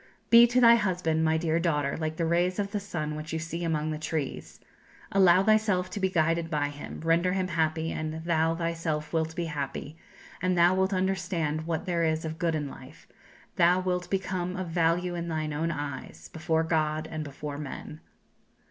"Be to thy husband, my dear daughter, like the rays of the sun which you see among the trees; allow thyself to be guided by him, render him happy and thou thyself wilt be happy, and thou wilt understand what there is of good in life; thou wilt become of value in thine own eyes, before God, and before men."